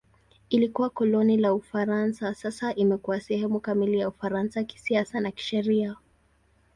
Ilikuwa koloni la Ufaransa; sasa imekuwa sehemu kamili ya Ufaransa kisiasa na kisheria.